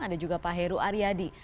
ada juga pak heru aryadi